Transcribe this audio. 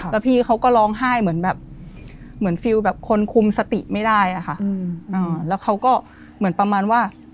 แล้วพี่เขาก็ร้องไห้เหมือนแบบเหมือนฟิลแบบคนคุมสติไม่ได้อะค่ะแล้วเขาก็เหมือนประมาณว่า